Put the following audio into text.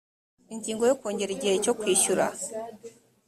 ingingo ya…: kongera igihe cyo kwishyura